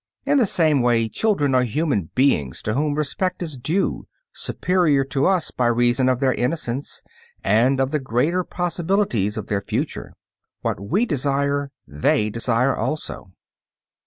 In the same way children are human beings to whom respect is due, superior to us by reason of their "innocence" and of the greater possibilities of their future. What we desire they desire also.